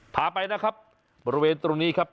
พาไปนะครับบริเวณตรงนี้ครับ